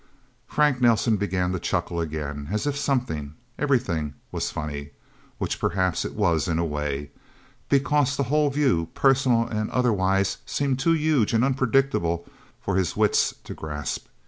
Frank Nelsen began to chuckle again. As if something, everything, was funny. Which, perhaps, it was in a way. Because the whole view, personal and otherwise, seemed too huge and unpredictable for his wits to grasp.